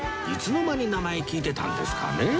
いつの間に名前聞いてたんですかね？